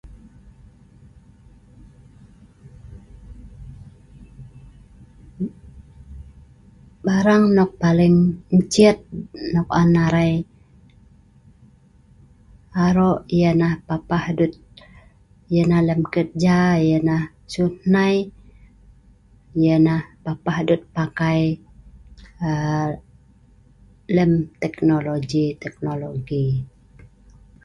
Ba rang nok an arai BELAJAR teknoloji ya nah, mrai Wei wan arai